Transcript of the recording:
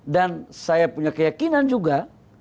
dan saya punya keyakinan juga